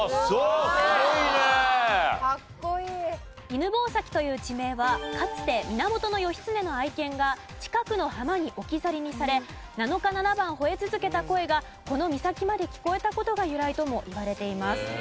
犬吠埼という地名はかつて源義経の愛犬が近くの浜に置き去りにされ７日７晩吠え続けた声がこの岬まで聞こえた事が由来ともいわれています。